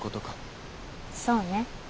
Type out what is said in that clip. そうね。